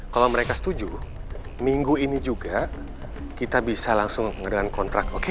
kalau mereka setuju minggu ini juga kita bisa langsung dengan kontrak